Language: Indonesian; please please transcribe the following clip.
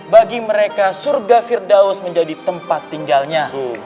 bagi mereka surga firdaus menjadi tempat tinggalnya